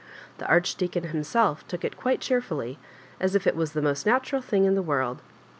The Archdeacon himself took it quite cheerfully, as if it was the most natural thing in the world.